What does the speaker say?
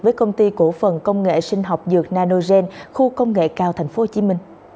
với công ty cổ phần công nghệ sinh học dược nanogen khu công nghệ cao tp hcm